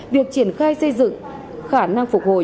việc triển khai xây dựng khả năng phục hồi